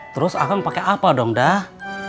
terus akang pake apa dong dah